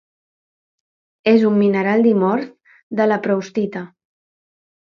És un mineral dimorf de la proustita.